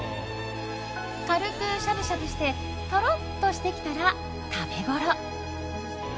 軽くしゃぶしゃぶしてとろっとしてきたら食べごろ。